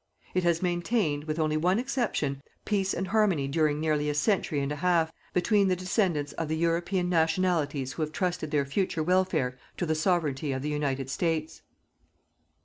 It has maintained, with only one exception, peace and harmony during nearly a century and a half, between the descendants of the European nationalities who have trusted their future welfare to the Sovereignty of the United States.